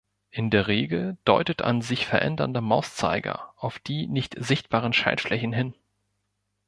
In der Regel deutet ein sich verändernder Mauszeiger auf die nicht sichtbaren Schaltflächen hin.